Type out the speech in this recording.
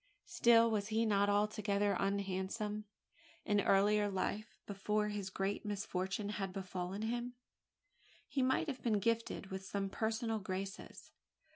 Still was he not altogether unhandsome; and in earlier life before his great misfortune had befallen him he might have been gifted with some personal graces.